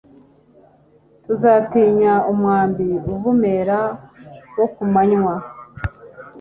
ntuzatinya umwambi uvumera wo ku manywa